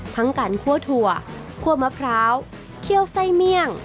ทั้งการคั่วถั่วคั่วมะพร้าวเคี่ยวไส้เมี่ยง